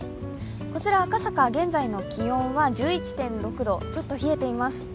こちら赤坂、現在の気温は１１．６度、ちょっと冷えています。